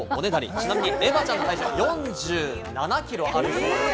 ちなみにエヴァちゃんの体重は４７キロあるそうです。